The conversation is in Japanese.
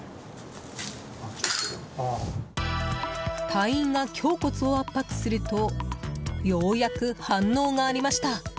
隊員が胸骨を圧迫するとようやく反応がありました。